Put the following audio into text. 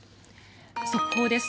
速報です。